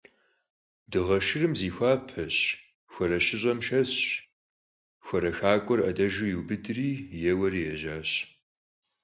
Дыгъэ Шырым зихуапэщ, хуарэ шыщӀэм шэсщ, хуарэ хакӀуэр Ӏэдэжу иубыдри, еуэри ежьащ.